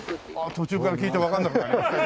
途中から聞いてわかんなくなります。